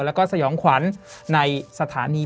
แล้วก็สยองขวัญในสถานี